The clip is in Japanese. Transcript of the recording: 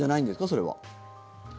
それは。